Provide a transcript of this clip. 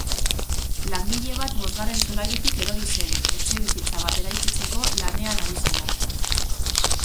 Langile bat bosgarren solairutik erori zen, etxebizitza bat eraikitzeko lanetan ari zela.